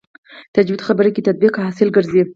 تجدید خبره کې تطبیق حاصل ګرځي.